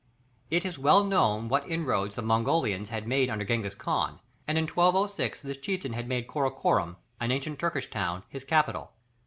It is well known what inroads the Mongolians had made under Gengis Khan, and in 1206 this chieftain had made Karakorum, an ancient Turkish town, his capital.